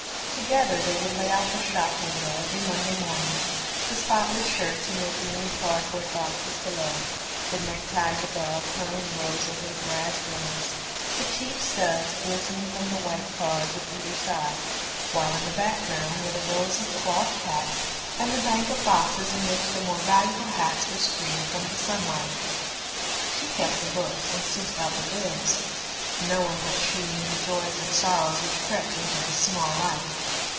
Together they would lay out the shop window every Monday morning, the spotless shirts in their green cardboard boxes below, the neckties above hung in rows over the brass rails, the cheap studs glistening from the white cards at either side, while in the background were the rows of cloth caps and the bank of boxes in which the more valuable hats were screened from the sunlight. She kept the books and sent out the bills. No one but she knew the joys and sorrows which crept into his small life.